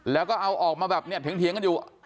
แล้วก็เอาออกมาแบบนี้เถียงกันอยู่